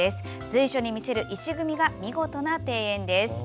随所に見せる石組みが見事な庭園です。